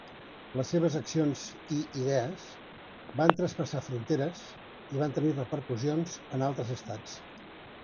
Les seves accions i idees van traspassar fronteres i van tenir repercussions en altres estats.